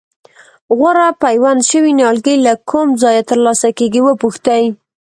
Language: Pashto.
غوره پیوند شوي نیالګي له کوم ځایه ترلاسه کېږي وپوښتئ.